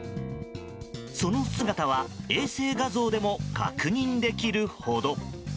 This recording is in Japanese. その姿は衛星画像でも確認できるほど。